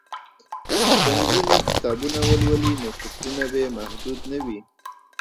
که نجونې کتابونه ولولي نو فکرونه به یې محدود نه وي.